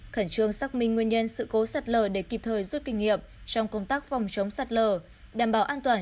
khẩn trương xác minh nguyên nhân sự cố sạt lở để kịp thời rút kinh nghiệm trong công tác phòng chống sạt lở đảm bảo an toàn